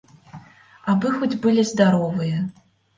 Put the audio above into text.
Абы хоць былі здаровыя.